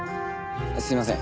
すいません。